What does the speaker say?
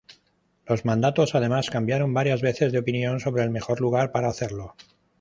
Los mandos además cambiaron varias veces de opinión sobre el mejor lugar para hacerlo.